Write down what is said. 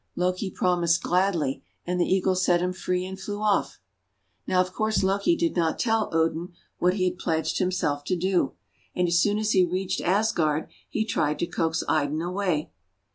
Loki promised gladly, and the Eagle set him free and flew off. Now of course Loki did not tell Odin what he had pledged himself to do. And as soon as he reached Asgard, he tried to coax Idun away.